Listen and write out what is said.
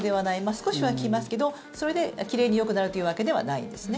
少しは効きますけどそれで奇麗によくなるというわけではないんですね。